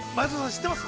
知ってます。